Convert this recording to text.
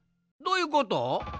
どういうこと？